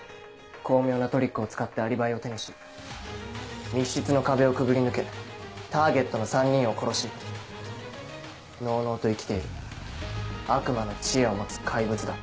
巧妙なトリックを使ってアリバイを手にし密室の壁をくぐり抜けターゲットの３人を殺しのうのうと生きている悪魔の知恵を持つ怪物だ。